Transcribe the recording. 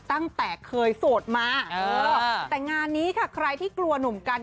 ตั้งแต่เคยโสดมาเออแต่งานนี้ค่ะใครที่กลัวหนุ่มกัน